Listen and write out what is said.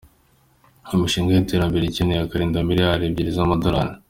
Imishinga y’iterambere ikeneye arenga miliyari ebyiri z’amadolari